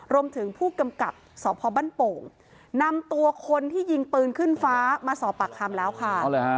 รวมถึงผู้กำกับสพบ้านโป่งนำตัวคนที่ยิงปืนขึ้นฟ้ามาสอบปากคำแล้วค่ะ